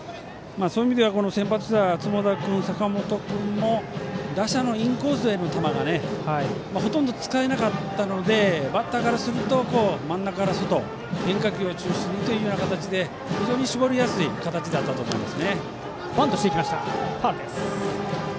そういう意味では先発した積田君、坂本君も打者のインコースへの球がほとんど使えなかったのでバッターからすると真ん中から外変化球を中心にという形で非常に絞りやすい形だったと思います。